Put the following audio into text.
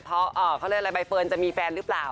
เขาเรียกอะไรใบเฟิร์นจะมีแฟนหรือเปล่า